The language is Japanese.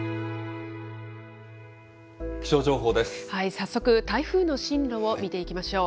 早速、台風の進路を見ていきましょう。